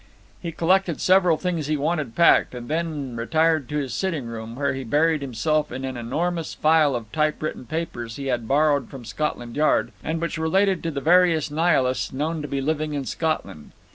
He collected several things he wanted packed, and then retired to his sitting room, where he buried himself in an enormous file of typewritten papers he had borrowed from Scotland Yard, and which related to the various Nihilists known to be living in England.